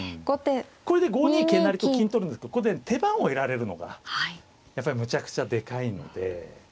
これで５二桂成と金取るんですけどここで手番を得られるのがむちゃくちゃでかいので。